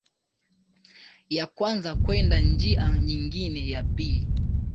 ya kwanza kwenda njia nyingine ya pili